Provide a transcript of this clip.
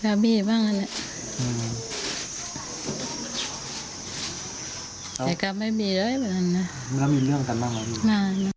แล้วมีเรื่องกันบ้างมั้ย